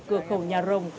cửa khẩu nhà rồng